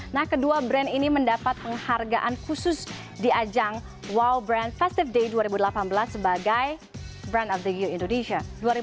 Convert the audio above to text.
nah kedua brand ini mendapat penghargaan khusus di ajang wow brand festiva day dua ribu delapan belas sebagai brand of the you indonesia dua ribu delapan belas